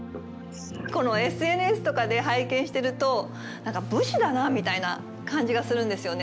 このＳＮＳとかで拝見してると、なんか、武士だなみたいな感じがするんですよね。